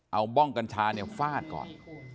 เอาบ้องกัญชาเนี่ยฟาดก่อน